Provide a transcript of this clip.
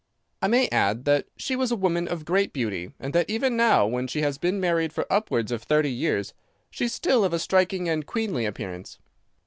I may add that she was a woman of great beauty, and that even now, when she has been married for upwards of thirty years, she is still of a striking and queenly appearance.